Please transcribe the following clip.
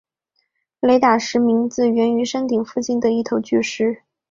雷打石名字源于山顶附近的一头巨石。